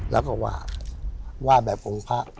แล้วก็ว่าแบบองค์พระ